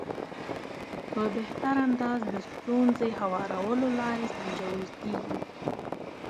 په بهتر انداز د ستونزې هوارولو لارې سنجول کېږي.